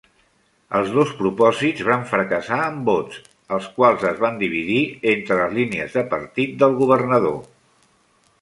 Els dos propòsits van fracassar en vots, els quals es van dividir entre les línies de partit del governador.